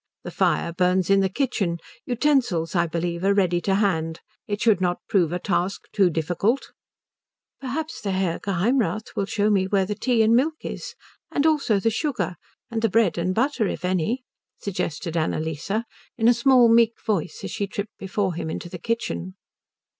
The fire burns in the kitchen. Utensils, I believe, are ready to hand. It should not prove a task too difficult." "Perhaps the Herr Geheimrath will show me where the tea and milk is? And also the sugar, and the bread and butter if any?" suggested Annalise in a small meek voice as she tripped before him into the kitchen.